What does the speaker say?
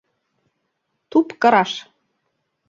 Туп кыраш